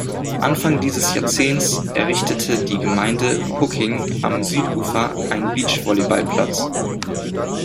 Anfang dieses Jahrzehnts errichtete die Gemeinde Pucking am Südufer einen Beachvolleyballplatz.